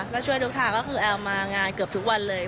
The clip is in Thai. ก็ช่วยทุกทางก็คือแอลมางานเกือบทุกวันเลย